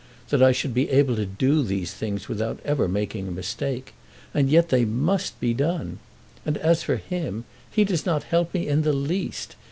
that I should be able to do these things without ever making a mistake. And yet they must be done. And as for him, he does not help me in the least.